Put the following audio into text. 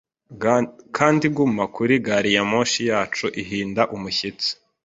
kandi guma kuri gari ya moshi yacu ihinda umushyitsi